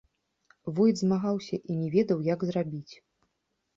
Войт змагаўся і не ведаў, як зрабіць.